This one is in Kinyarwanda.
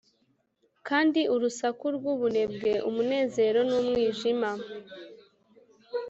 kandi urusaku n'ubunebwe, umunezero n'umwijima.